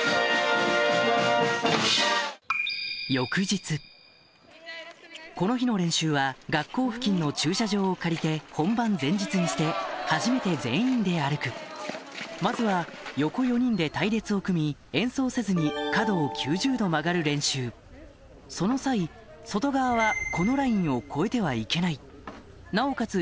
翌日この日の練習は学校付近の駐車場を借りて本番前日にして初めて全員で歩くまずは横４人で隊列を組み演奏せずに角を９０度曲がる練習その際外側はこのラインを越えてはいけないなおかつ